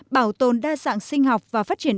bảo tồn đa dạng sinh học và phát triển